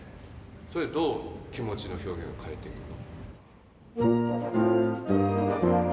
それどう気持ちの表現を変えていくの？